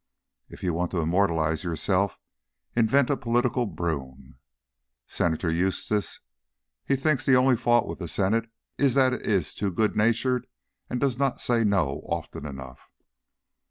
If you want to immortalize yourself, invent a political broom. Senator Eustis: he thinks the only fault with the Senate is that it is too good natured and does not say No often enough.